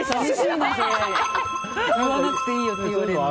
言わなくていいよって言われるの。